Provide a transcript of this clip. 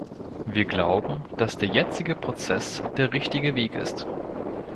Wir glauben, dass der jetzige Prozess der richtige Weg ist.